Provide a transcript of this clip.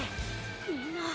みんな。